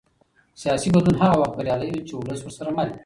سیاسي بدلون هغه وخت بریالی وي چې ولس ورسره مل وي